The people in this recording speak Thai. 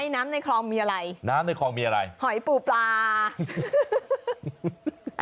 น้ำในคลองมีอะไรหอยปู่ปลา